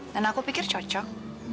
dan aku pikir cocok